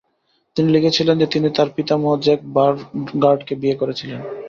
তিনি লিখেছিলেন যে তিনি তার পিতামহ জ্যাক বারগার্ডকে বিয়ে করেছিলেন।